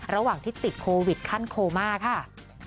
ระหว่างที่ติดโควิดขั้นโคม่าค่ะ